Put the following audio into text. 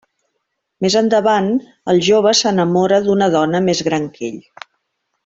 Més endavant, el jove s'enamora d'una dona més gran que ell.